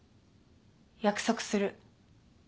約束する。